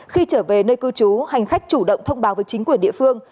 khi trở về nơi cư trú hành khách chủ động thông báo với chính quyền địa phương